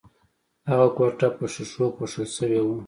هغه کوټه په ښیښو پوښل شوې وه